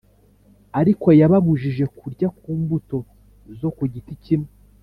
arko yababujije kurya ku mbuto zo ku giti kimwe,